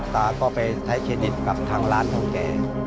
ตาก็ไปใช้เครดิตกับทางร้านของแก